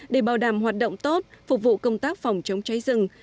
để bảo đảm hoạt động tốt phục vụ công tác phòng chống cháy rừng